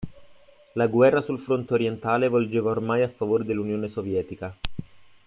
La guerra sul fronte orientale volgeva ormai a favore dell'Unione Sovietica.